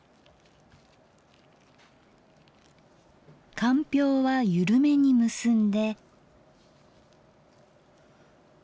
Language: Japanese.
かんぴょうは緩めに結んで。